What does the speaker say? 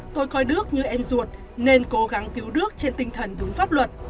tôi coi nước như em ruột nên cố gắng cứu đức trên tinh thần đúng pháp luật